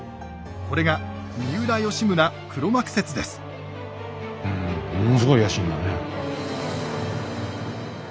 これがうんものすごい野心だね。